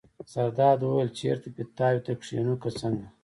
زرداد وویل: چېرته پیتاوي ته کېنو که څنګه.